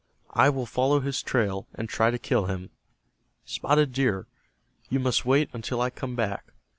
I will follow his trail, and try to kill him. Spotted Deer, you must wait until I come back.